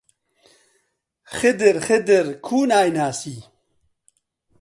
خدر، خدر، کوو نایناسی؟!